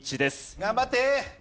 頑張って！